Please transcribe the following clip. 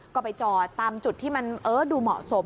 ก็ไปจอดตามจุดที่มันดูเหมาะสม